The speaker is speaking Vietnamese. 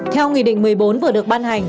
theo nghị định một mươi bốn vừa được ban hành